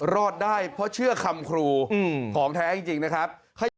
รอดได้เพราะเชื่อคำครูของแท้จริงนะครับ